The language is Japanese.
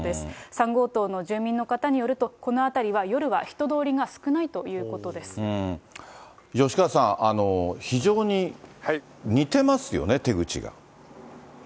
３号棟の住民の方によると、この辺りは夜は人通りが少ないという吉川さん、非常に似てますよね、手口が。